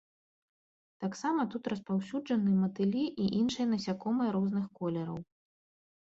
Таксама тут распаўсюджаны матылі і іншыя насякомыя розных колераў.